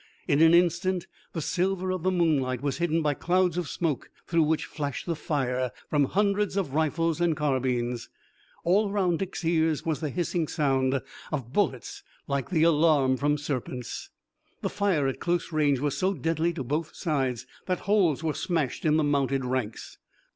In an instant the silver of the moonlight was hidden by clouds of smoke through which flashed the fire from hundreds of rifles and carbines. All around Dick's ears was the hissing sound of bullets, like the alarm from serpents. The fire at close range was so deadly to both sides that holes were smashed in the mounted ranks.